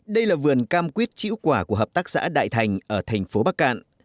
đây là vườn cam quyết chữ quả của hợp tác xã đại thành ở thành phố bắc cạn